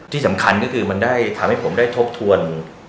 ที่สำคัญก็คือมันได้ทำให้ผมได้ทบทวน